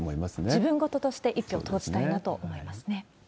自分事として一票を投じたいなと思いますね。